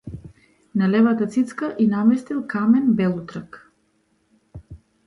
На левата цицка ѝ наместил камен белутрак.